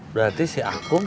berarti si aku